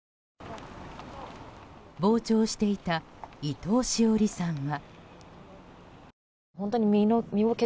傍聴していた伊藤詩織さんは。